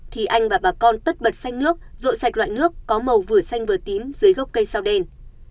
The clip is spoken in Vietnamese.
thì anh và bà con tất bật xanh nước rội sạch loại nước có màu vừa xanh vừa tím dưới gốc cây sao đen